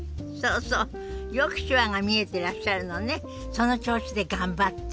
その調子で頑張って。